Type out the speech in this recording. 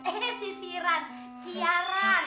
eh sisiran siaran